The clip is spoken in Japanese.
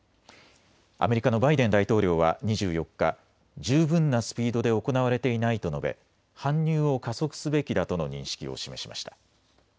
アメリカのバイデン大統領は２４日、十分なスピードで行われていないと述べ搬入を加速すべきだとの認識を示しました。